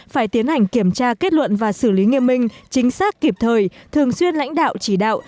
phải tiến hành kiểm tra kết luận và xử lý nghiêm minh chính xác kịp thời thường xuyên lãnh đạo chỉ đạo